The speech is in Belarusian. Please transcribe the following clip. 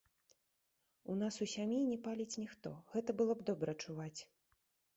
У нас у сям'і не паліць ніхто, гэта было б добра чуваць.